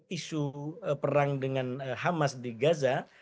isu perang dengan hamas di gaza